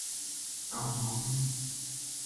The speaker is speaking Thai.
เต่าหอม